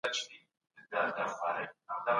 حقوقپوهان څنګه د خبرو له لاري شخړي حلوي؟